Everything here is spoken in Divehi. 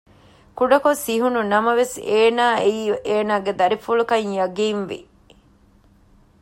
ކުޑަކޮށް ސިހުނު ނަމަވެސް އޭނާއަށް އެއީ އޭނާގެ ދަރިފުޅުކަން ޔަޤީންވި